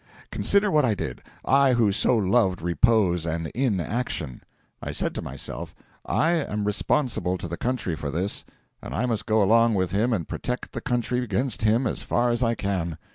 Consider what I did I who so loved repose and inaction. I said to myself, I am responsible to the country for this, and I must go along with him and protect the country against him as far as I can.